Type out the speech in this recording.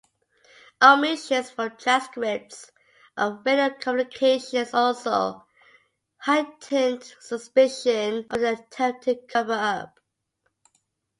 Omissions from transcripts of radio communications also heightened suspicion of an attempted cover-up.